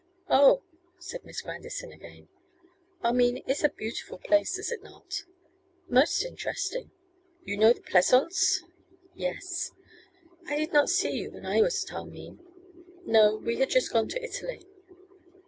'Oh!' said Miss Grandison again, 'Armine is a beautiful place, is it not?' 'Most interesting.' 'You know the pleasaunce.' 'Yes.' 'I did not see you when I was at Armine.' 'No; we had just gone to Italy.